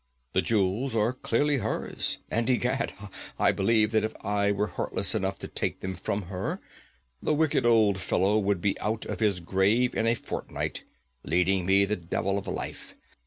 The jewels are clearly hers, and, egad, I believe that if I were heartless enough to take them from her, the wicked old fellow would be out of his grave in a fortnight, leading me the devil of a life.